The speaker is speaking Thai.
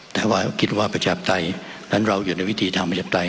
แต่ว่าคิดว่าประชาปไตยนั้นเราอยู่ในวิธีทางประชาปไตย